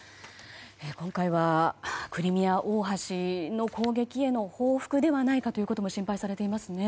今回はクリミア大橋の攻撃への報復ではないかということも心配されていますね。